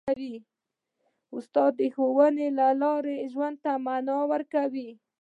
استاد د ښوونې له لارې ژوند ته مانا ورکوي.